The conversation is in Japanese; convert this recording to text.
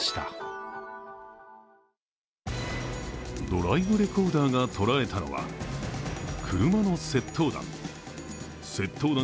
ドライブレコーダーが捉えたのは、車の窃盗団。